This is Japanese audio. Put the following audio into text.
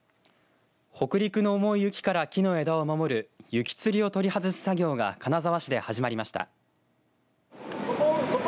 北陸の重い雪から木の枝を守る雪吊りを取り外す作業が金沢市で始まりました。